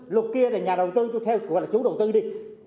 luật kia là nhà đầu tư tôi theo là chủ đầu tư đi